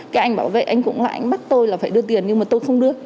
cái anh bảo vệ anh cũng là anh bắt tôi là phải đưa tiền nhưng mà tôi không đưa